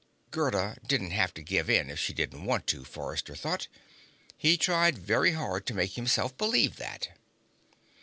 Gerda didn't have to give in if she didn't want to, Forrester thought. He tried very hard to make himself believe that.